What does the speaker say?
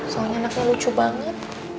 soalnya anaknya lucu banget